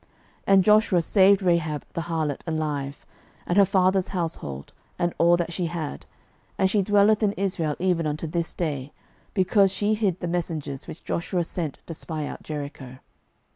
06:006:025 And Joshua saved Rahab the harlot alive, and her father's household, and all that she had; and she dwelleth in Israel even unto this day; because she hid the messengers, which Joshua sent to spy out Jericho.